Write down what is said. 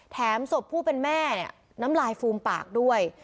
ศพผู้เป็นแม่เนี่ยน้ำลายฟูมปากด้วย